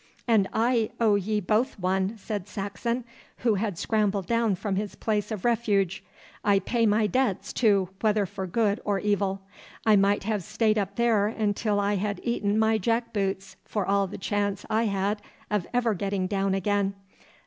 'And I owe ye both one,' said Saxon, who had scrambled down from his place of refuge. 'I pay my debts, too, whether for good or evil. I might have stayed up there until I had eaten my jack boots, for all the chance I had of ever getting down again.